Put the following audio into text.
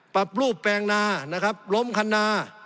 ปรับรูปแปลงนานะครับล้มคันนา